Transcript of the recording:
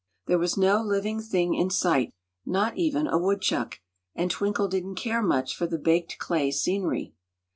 There was no living thing in sight not even a woodchuck and Twinkle didn't care much for the baked clay scenery.